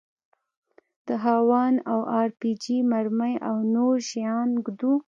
د هاوان او ار پي جي مرمۍ او نور شيان ږدو.